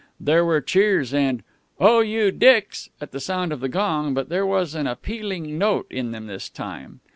There were cheers and "Oh, you Dick's!" at the sound of the gong, but there was an appealing note in them this time.